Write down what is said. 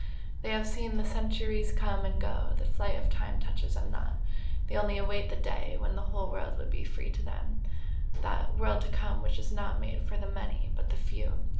They have seen the centuries come and go, the flight of time touches them not, they only await the day when the whole world will be free to them that 'world to come' which is not made for the 'many,' but the 'few.'